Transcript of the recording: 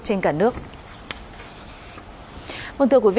trên cả nước